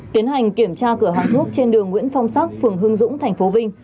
tiến hành kiểm tra cửa hàng thuốc trên đường nguyễn phong sắc phường hương dũng tp vinh